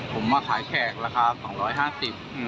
ผมมาขายแขกราคา๒๕๐บาท